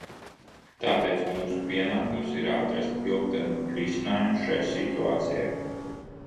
Tāpēc mūsu pienākums ir atrast ilgtermiņa risinājumu šai situācijai.